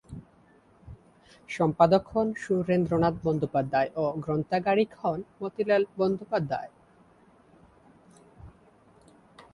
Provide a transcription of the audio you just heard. সম্পাদক হন সুরেন্দ্রনাথ বন্দ্যোপাধ্যায় ও গ্রন্থাগারিক হন মতিলাল বন্দ্যোপাধ্যায়।